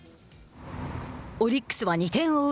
オリックスは２点を追う